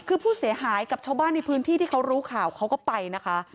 คือผู้เสียหายกับชาวบ้านในพื้นที่ที่เขารู้ข่าวเขาก็ไปนะคะ